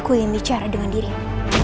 aku ingin bicara dengan dirimu